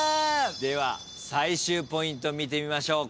では最終ポイント見てみましょう。